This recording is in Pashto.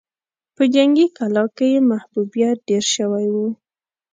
په جنګي کلا کې يې محبوبيت ډېر شوی و.